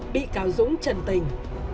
bị cáo dũng trần tình